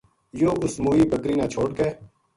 یوہ اُس موئی بکری نا چھوڈ کے